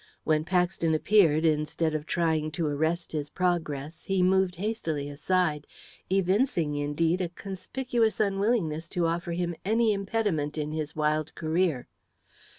When Paxton appeared, instead of trying to arrest his progress, he moved hastily aside, evincing, indeed, a conspicuous unwillingness to offer him any impediment in his wild career.